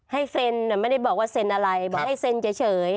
ให้เซ็นไม่ได้บอกว่าเซ็นอะไรบอกให้เซ็นเฉย